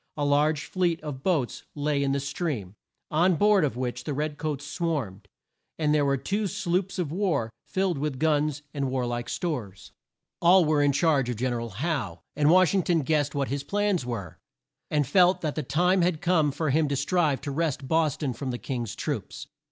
A large fleet of boats lay in the stream, on board of which the red coats swarmed, and there were two sloops of war filled with guns and war like stores. All were in charge of Gen er al Howe, and Wash ing ton guessed what his plans were! and felt that the time had come for him to strive to wrest Bos ton from the King's troops.